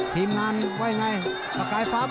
ทีมงานว่าอย่างไร